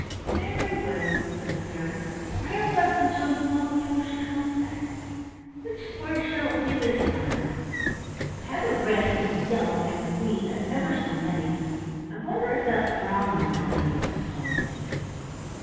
"Very well," said the fairy. "Perhaps I can show you one before she comes back. Which square shall it be this time?" "I've had the red, and the yellow, and the green, and ever so many: I wonder if that brown one has a good story to it."